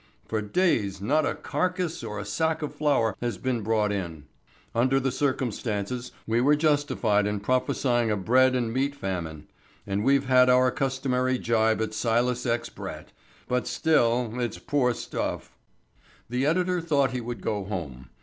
For days not a carcase or a sack of flour has been brought in. Under the circumstances we were justified in prophesying a bread and meat famine. And we've had our customary gibe at Silas X. Brett. But still, it's poor stuff." The editor thought he would go home.